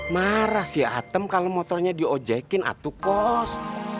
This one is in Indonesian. marah si atem kalau motornya di ojekin atukos